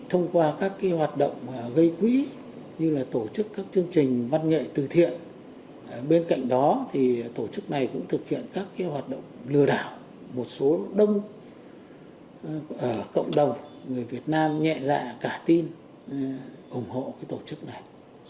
tổ chức này cũng thực hiện các hoạt động lừa đảo một số đông cộng đồng người việt nam nhẹ dạ cả tin ủng hộ tổ chức này